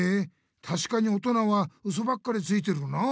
たしかにおとなはウソばっかりついてるなあ。